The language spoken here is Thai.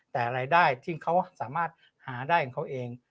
แต่รายได้ที่เขาสามารถหาได้ของเขาเอง